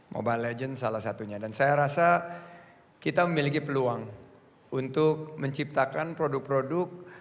mobile legends salah satunya dan saya rasa kita memiliki peluang untuk menciptakan produk produk